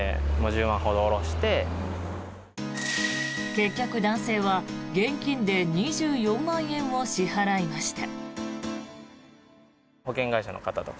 結局、男性は現金で２４万円を支払いました。